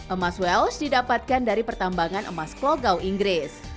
emas welsh didapatkan dari pertambangan emas klogau inggris